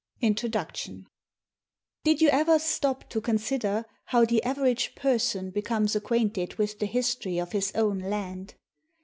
INTRODUCTION Did you ever stop to consider how the average person becomes acquainted with the history of his own land?